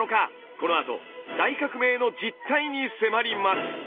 このあと大革命の実態に迫ります！